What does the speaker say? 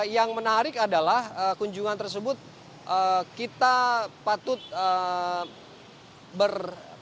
yang menarik adalah kunjungan tersebut kita patut ber